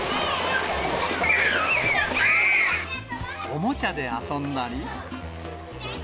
おもちゃで遊んだり。